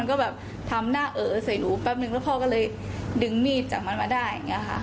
มันก็แบบทำหน้าเออเออใส่หนูแปบนึงแล้วพ่อก็เลย